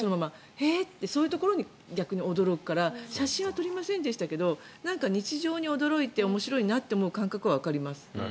へえってそういうところに驚くから写真は撮りませんでしたがなんか日常に驚いて面白いなと思う感覚はわかります。